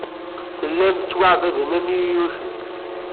Tellam tettwaɛebdem am yiyucen.